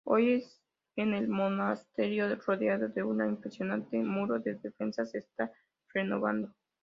Hoy en el monasterio rodeado de una impresionante muro de defensa se está renovando.